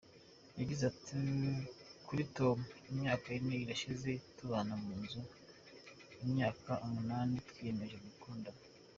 Yagize ati “ Kuri Tom, Imyaka ine irashize tubana mu nzu, imyaka umunani twiyemeje gukundana.